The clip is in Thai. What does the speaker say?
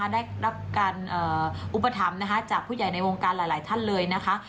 ได้รับการอุปถัมภ์จากผู้ใหญ่ในวงการหลายท่านเลยนะคะ